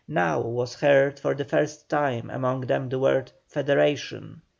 Now was heard for the first time among them the word FEDERATION.